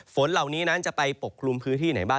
ฝนเหล่านี้นั้นจะไปปกคลุมพื้นที่ไหนบ้าง